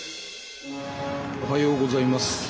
おはようございます。